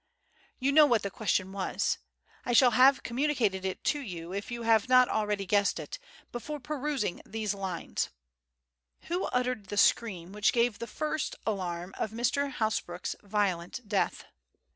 You know what that question was. I shall have communicated it to you, if you have not already guessed it, before perusing these lines: "Who uttered the scream which gave the first alarm of Mr. Hasbrouck's violent death?"